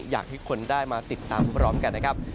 อยากให้คนได้มาติดตามพร้อมกันนะครับ